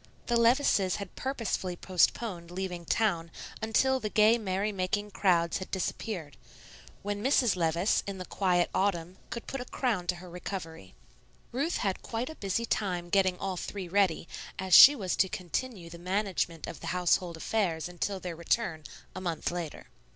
The Levices had purposely postponed leaving town until the gay, merry making crowds had disappeared, when Mrs. Levice, in the quiet autumn, could put a crown to her recovery. Ruth had quite a busy time getting all three ready, as she was to continue the management of the household affairs until their return, a month later.